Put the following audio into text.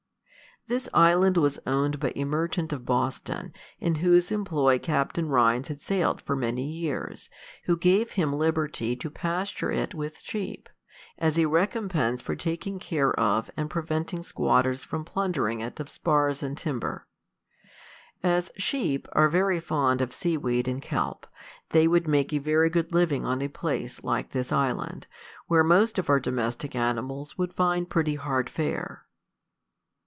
This island was owned by a merchant of Boston, in whose employ Captain Rhines had sailed for many years, who gave him liberty to pasture it with sheep, as a recompense for taking care of and preventing squatters from plundering it of spars and timber. As sheep are very fond of sea weed and kelp, they would make a very good living on a place like this island, where most of our domestic animals would find pretty hard fare.